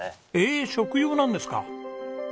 えっ食用なんですか。